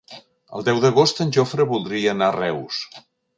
El deu d'agost en Jofre voldria anar a Reus.